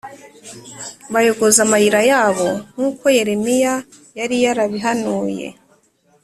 bayogoza amayira yabo, nk’uko Yeremiya yari yarabihanuye.